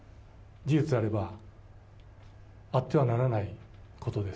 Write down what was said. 事実であれば、あってはならないことです。